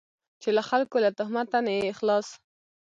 چې له خلکو له تهمته نه یې خلاص.